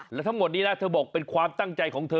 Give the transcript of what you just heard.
และทั้งหมดนี้นะเธอบอกเป็นความตั้งใจของเธอ